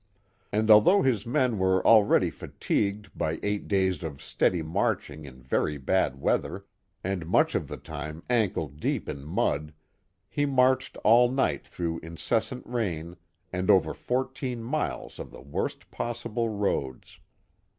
.And although his men were already fatigued by eight days of steady marching in very bad weather, and much of the liine ankle deep in mud, he marched all night through incessant rain and over fourteen miles of the worst possible roads.